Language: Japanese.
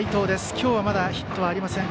今日はまだヒットがありません。